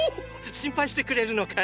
心配してくれるのかい。